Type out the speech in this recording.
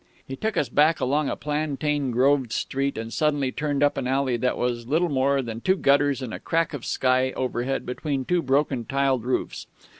"He took us back along a plantain groved street, and suddenly turned up an alley that was little more than two gutters and a crack of sky overhead between two broken tiled roofs.